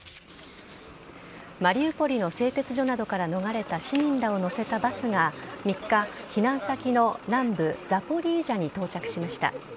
マリウポリの製鉄所などから逃れた市民らを乗せたバスが３日、避難先の南部・ザポリージャに到着しました。